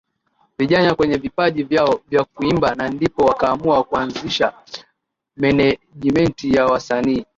vijana kwenye vipaji vyao vya kuimba na ndipo wakaamua kuanzisha menejimenti ya wasanii